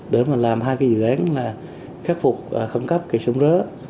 để mà làm hai cái dự án là khắc phục khẩn cấp kè sống rớ